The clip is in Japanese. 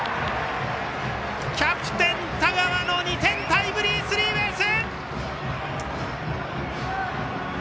キャプテン田川の２点タイムリースリーベース！